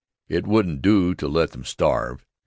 It wouldn't do to let them starve.